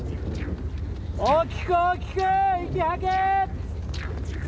大きく大きく息吐け！